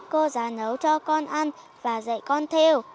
cô giáo nấu cho con ăn và dạy con theo